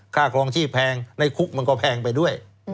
ครองชีพแพงในคุกมันก็แพงไปด้วย